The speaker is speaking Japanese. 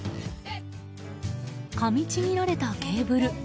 かみちぎられたケーブル。